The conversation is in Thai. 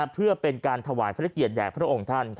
เพื่อเป็นการถวายพระเกียรติแด่พระองค์ท่าน